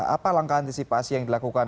apa langkah antisipasi yang dilakukan